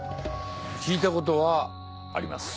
聞いたことはあります。